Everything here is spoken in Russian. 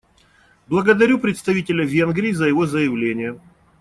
Благодарю представителя Венгрии за его заявление.